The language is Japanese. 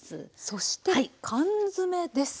そして缶詰です。